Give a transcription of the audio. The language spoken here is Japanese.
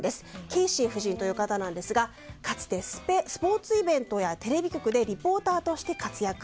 ケイシー夫人という方なんですがかつてスポーツイベントやテレビ局でリポーターとして活躍。